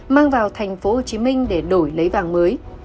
mang vào tp hcm để đổi lấy vàng mới